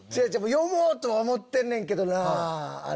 読もうとは思ってんねんけどなぁ。